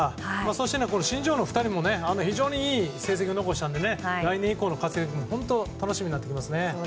そして新人王の２人も非常にいい成績を残したので来年以降の活躍が本当楽しみになってきますね。